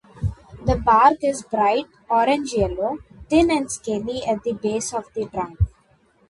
The bark is bright orange-yellow, thin and scaly at the base of the trunk.